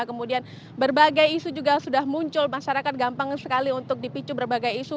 kemudian berbagai isu juga sudah muncul masyarakat gampang sekali untuk dipicu berbagai isu